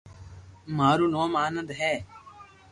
مارو نوم آنند ھي